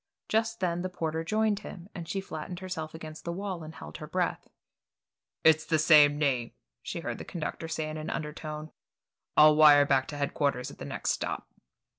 Just then the porter joined him, and she flattened herself against the wall and held her breath. "It's the same name," she heard the conductor say in an undertone. "I'll wire back to headquarters at the next stop."